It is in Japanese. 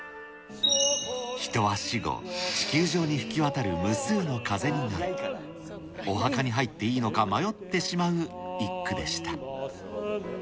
人は死後、地球上に吹き渡る無数の風になり、お墓に入っていいのか迷ってしまう一句でした。